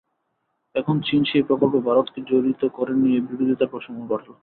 এখন চীন সেই প্রকল্পে ভারতকে জড়িত করে নিয়ে বিরোধিতার প্রশমন ঘটাল।